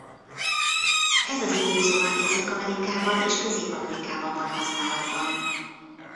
Ez az időzóna Észak-Amerikában és Közép-Amerikában van használatban.